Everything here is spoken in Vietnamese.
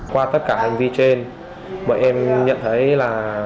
qua tất cả hành vi trên bọn em nhận thấy là